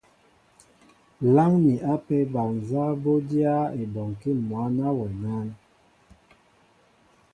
Láŋ mi apē bal nzá bɔ́ dyáá ebɔnkí mwǎ ná wɛ nán?